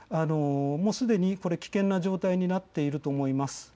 もうすでに危険な状態になっていると思います。